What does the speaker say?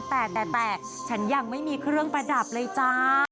แต่แต่ฉันยังไม่มีเครื่องประดับเลยจ้า